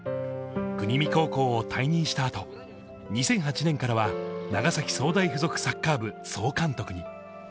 国見高校を退任したあと２００８年からは長崎総大附属サッカー部総監督に。